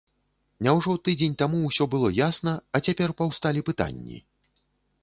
Няўжо тыдзень таму ўсё было ясна, а цяпер паўсталі пытанні?